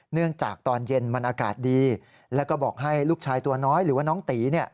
เนื่องจากตอนเย็นมันอากาศดีแล้วก็บอกให้ลูกชายตัวน้อยหรือว่าน้องตีเนี่ย